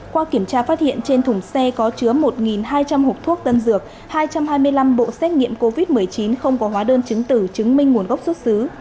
qua kiểm tra phát hiện trên thùng xe có chứa một hai trăm linh hộp thuốc tân dược hai trăm hai mươi năm bộ xét nghiệm covid một mươi chín không có hóa đơn chứng tử chứng minh nguồn gốc xuất xứ